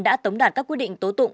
đã tống đạt các quy định tố tụng